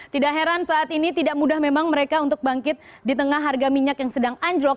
tidak heran saat ini tidak mudah memang mereka untuk bangkit di tengah harga minyak yang sedang anjlok